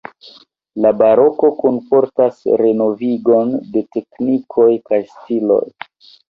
La baroko kunportas renovigon de teknikoj kaj stiloj.